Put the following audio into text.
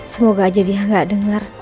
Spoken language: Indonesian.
semoga aja dia gak dengar